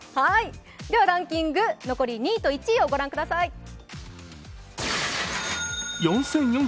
ではランキング、残り２位と１位を御覧ください。